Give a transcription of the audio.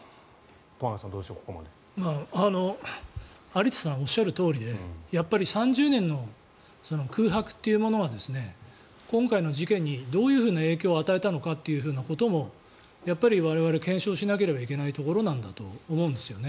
有田さんがおっしゃるとおりで、やっぱり３０年の空白というものが今回の事件にどういう影響を与えたのかということもやっぱり我々検証しなければいけないところなんだと思うんです。